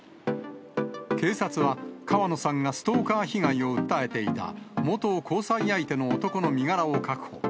警察は、川野さんがストーカー被害を訴えていた元交際相手の男の身柄を確保。